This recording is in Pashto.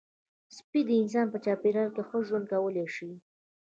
سپي د انسان په چاپېریال کې ښه ژوند کولی شي.